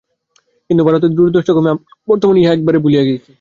কিন্তু ভারতের দূরদৃষ্টক্রমে আমরা বর্তমানে ইহা একেবারে ভুলিয়া গিয়াছি।